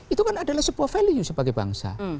itu kan adalah sebuah value sebagai bangsa